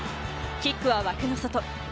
キックは枠の外。